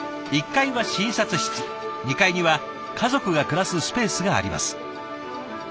２階には家族が暮らすスペースがあります。